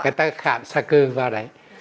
người ta khảm xa cư vào đây